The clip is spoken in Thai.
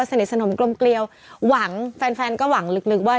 สนิทสนมกลมเกลียวหวังแฟนแฟนก็หวังลึกว่า